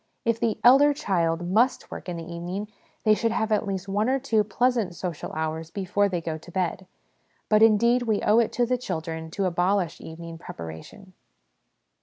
If the elder children must work in the evening, they should have at least one or two pleasant social hours before they go to bed ; but, indeed, we owe it to the children to abolish evening ' preparation.'